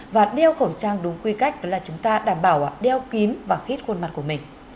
và đeo khẩu trang đúng quy cách đó là chúng ta đảm bảo đeo kím và khít khuôn mặt của mình